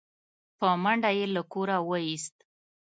په منډه يې له کوره و ايست